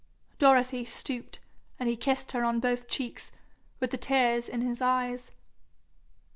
Dorothy stooped, and he kissed her on both cheeks, with the tears in his eyes.